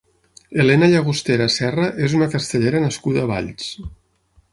Helena Llagostera Serra és una castellera nascuda a Valls.